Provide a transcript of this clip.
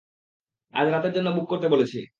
আজ রাতের জন্য বুক করতে বলেছি।